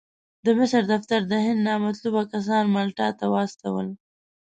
د مصر دفتر د هند نامطلوب کسان مالټا ته واستول.